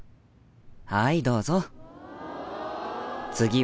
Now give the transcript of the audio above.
はいどうぞ。